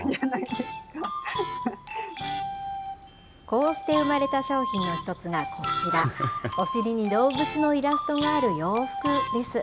こうして生まれた商品の一つが、こちら、お尻に動物のイラストがある洋服です。